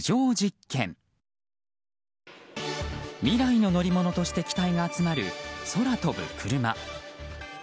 未来の乗り物として期待が集まる、空飛ぶクルマ。